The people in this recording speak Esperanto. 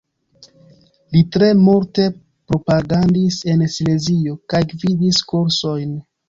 Li tre multe propagandis en Silezio kaj gvidis kursojn.